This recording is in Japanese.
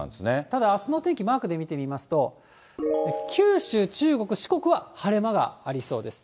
ただ、あすの天気、マークで見てみますと、九州、中国、四国は晴れ間がありそうです。